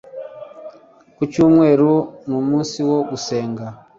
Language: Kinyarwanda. kucyumweru numunsi wo gusenga